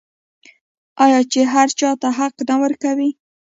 آیا چې هر چا ته حق نه ورکوي؟